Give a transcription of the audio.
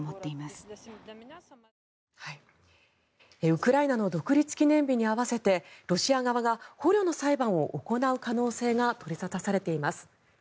ウクライナの独立記念日に合わせてロシア側が捕虜の裁判を行う可能性が取り沙汰されています。